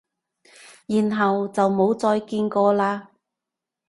然後就冇再見過喇？